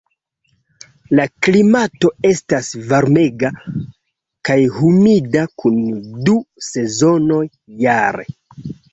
La klimato estas varmega kaj humida kun du sezonoj jare.